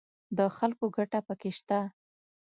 د خلکو ګټه پکې شته